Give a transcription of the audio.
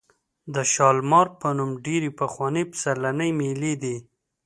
د شالمار په نوم ډېرې پخوانۍ پسرلنۍ مېلې دي.